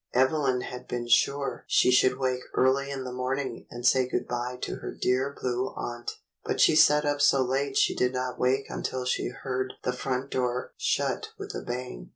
Evelyn had been sure she should wake early in the morning and say good bye to her dear Blue Aunt, but she sat up so late she did not wake until she heard the front door shut with a bang.